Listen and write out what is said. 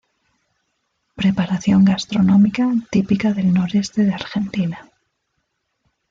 Preparación gastronómica típica del Noreste de Argentina.